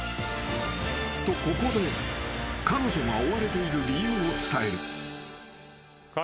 ［とここで彼女が追われている理由を伝える］